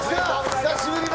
久しぶりの。